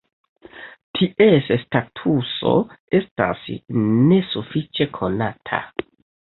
Ties statuso estas nesufiĉe konata.